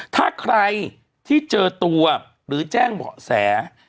ถ้าใครที่เจอตัวหรือแจ้งเบาะแส